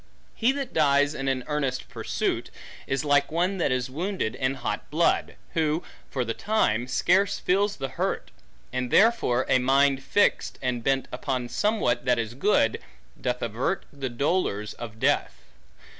He that dies in an earnest pursuit, is like one that is wounded in hot blood; who, for the time, scarce feels the hurt; and therefore a mind fixed, and bent upon somewhat that is good, doth avert the dolors of death.